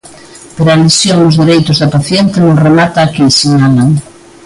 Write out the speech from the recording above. Pero a lesión dos dereitos da paciente non remata aquí, sinalan.